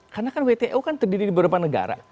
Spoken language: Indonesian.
karena kan wto kan terdiri di beberapa negara